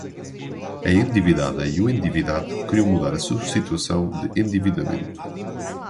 A endividada e o endividado queriam mudar sua situação de endividamento